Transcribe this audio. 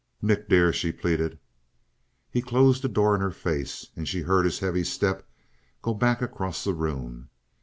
"Nick, dear " she pleaded. He closed the door in her face, and she heard his heavy step go back across the room.